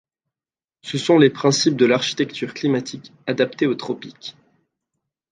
Ce sont les principes de l'architecture climatique adaptée aux tropiques.